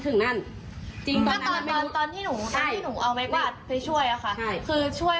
คือให้น้องคนนี้ขึ้นไปตามพ่อเลี้ยงเขาแล้วพ่อเลี้ยงเขาอ่ะพูด